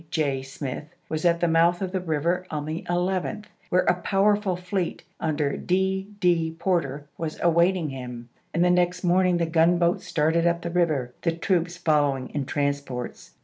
J. Smith, was at the mouth of the river on the 11th, where a powerful fleet, under D. D. Porter, was awaiting him, and the next morning the gunboats started up the river, the troops following in transports.